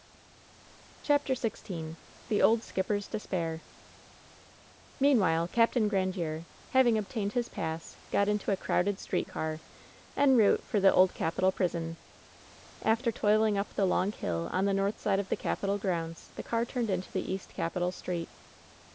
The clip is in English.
CHAPTER XVI THB OLD skipper's DESPAIB Meanwhile, Capt. Grandiere, having obtained his pass, got into a crowded street car, en route for the Old Capitol prison. After toiling up the long hill on the north side of the Capitol grounds, the car turned into East Capitol Street.